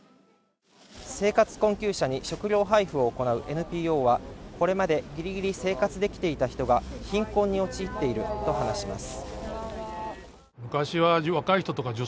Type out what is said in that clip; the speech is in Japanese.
生活困窮者に食料配布を行うＮＰＯは、これまでギリギリ生活できていた人が貧困に陥っていると話します。